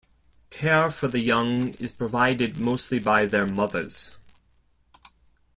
Care for the young is provided mostly by their mothers.